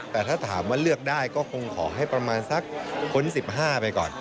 แต่ถ้าถามว่าเลือกได้ก็คงขอให้ประมาณสักคนที่๑๕ไปก่อน